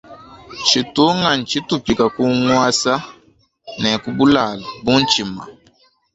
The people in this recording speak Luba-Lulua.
Tshitunga ntshi tupika ku ngwasa ne ku bulalu bu ntshima.